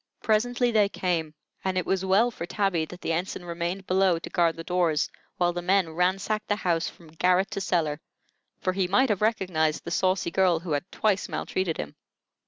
Presently they came, and it was well for Tabby that the ensign remained below to guard the doors while the men ransacked the house from garret to cellar; for he might have recognized the saucy girl who had twice maltreated him.